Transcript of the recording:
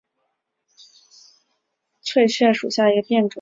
小苞木里翠雀花为毛茛科翠雀属下的一个变种。